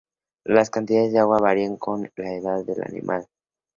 Las cantidades de agua varían con la edad del animal.